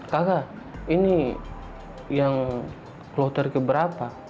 kakak ini yang keluar terkeberapa